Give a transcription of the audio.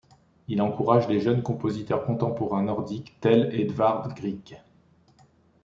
Il encourage les jeunes compositeurs contemporains nordiques, tel Edvard Grieg.